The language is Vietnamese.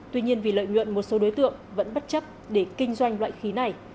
tuy nhiên vì lợi nhuận một số đối tượng vẫn bất chấp để kinh doanh loại khí này